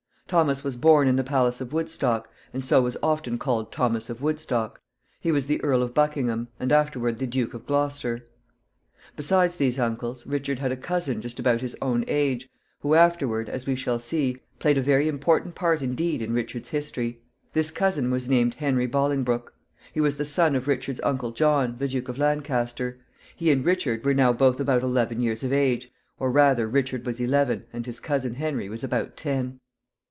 Thomas was born in the palace of Woodstock, and so was often called Thomas of Woodstock. He was the Earl of Buckingham, and afterward the Duke of Gloucester. Besides these uncles, Richard had a cousin just about his own age, who afterward, as we shall see, played a very important part indeed in Richard's history. This cousin was named Henry Bolingbroke. He was the son of Richard's uncle John, the Duke of Lancaster. He and Richard were now both about eleven years of age; or rather, Richard was eleven, and his cousin Henry was about ten.